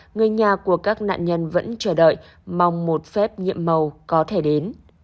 người nhà của các nạn nhân vẫn chờ đợi mong một phép nhiệm mầu có thể đến